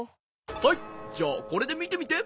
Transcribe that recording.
はいじゃあこれでみてみて。